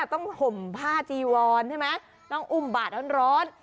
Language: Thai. ต้องห่มผ้าจีวอนใช่ไหมต้องอุ้มบาดร้อน